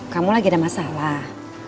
kamu lagi ada masalah